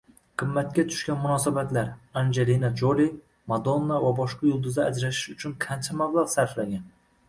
Qimmatga tushgan munosabatlar: Anjelina Joli, Madonna va boshqa yulduzlar ajrashish uchun qancha mablag‘ sarflagan?